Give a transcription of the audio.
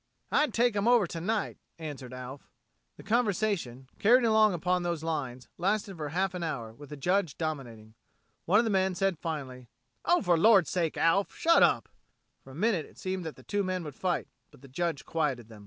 "I'd take 'em over tonight," answered Alf. The conversation, carried along upon those lines, lasted for half an hour, with the Judge dominating. One of the men said, finally, "Oh, for Lord's sake, Alf, shut up!" For a minute it seemed that the two men would fight, but the Judge quieted them.